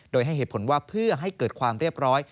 โดยให้เหตุผลว่าเพื่อให้เกิดความเรียบร้อย